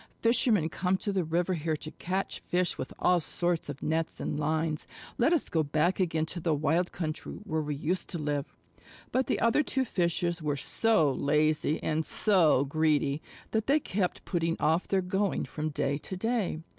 Fishermen come to the river here to catch fish with all sorts of nets and lines. Let us go back again to the wild country where we used to live." But the other two Fishes were so lazy and so greedy that they kept putting off their going from day to day.